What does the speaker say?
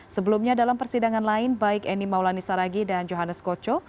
sebelumnya dalam persidangan lain baik eni maulani saragi dan johannes koco